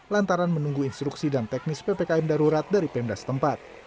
lantaran menunggu instruksi dan teknis ppkm darurat dari pemda setempat